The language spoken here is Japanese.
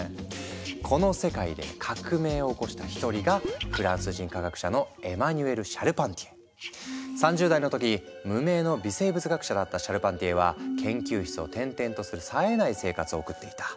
この世界で革命を起こした一人が３０代の時無名の微生物学者だったシャルパンティエは研究室を転々とするさえない生活を送っていた。